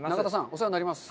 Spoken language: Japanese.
お世話になります。